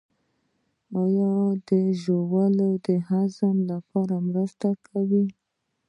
ایا ژوول د هضم سره مرسته کوي؟